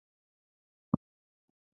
که سړی هڅه وکړي، نو لاره به ومومي.